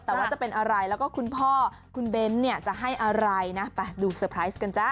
แต่ว่าจะเป็นอะไรแล้วก็คุณพ่อคุณเบ้นเนี่ยจะให้อะไรนะไปดูเตอร์ไพรส์กันจ้